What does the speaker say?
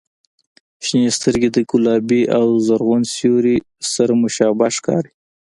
• شنې سترګې د ګلابي او زرغون سیوري سره مشابه ښکاري.